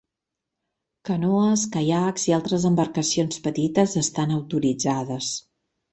Canoes, caiacs i altres embarcacions petites estan autoritzades.